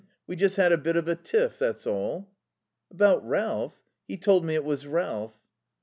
We just had a bit of a tiff, that's all." "About Ralph? He told me it was Ralph."